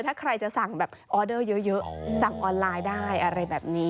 ถ้าใครจะสั่งแบบออเดอร์เยอะสั่งออนไลน์ได้อะไรแบบนี้